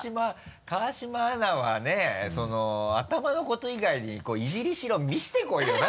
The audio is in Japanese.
川島アナはね頭のこと以外でイジりしろ見せてこいよな！